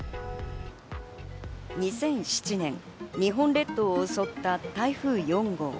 ２００７年、日本列島を襲った台風４号。